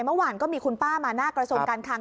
เมื่อวานก็มีคุณป้ามาหน้ากระทรวงการคัง